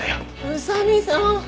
宇佐見さん。